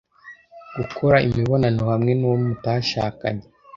Gukora imibonano hamwe n'uwo mutashakanye